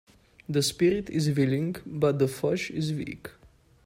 The spirit is willing but the flesh is weak